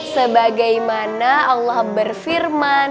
sebagaimana allah berfirman